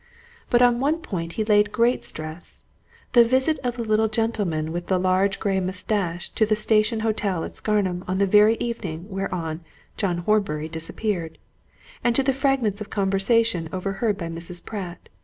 But on one point he laid great stress the visit of the little gentleman with the large grey moustache to the Station Hotel at Scarnham on the evening whereon John Horbury disappeared, and to the fragments of conversation overheard by Mrs. Pratt.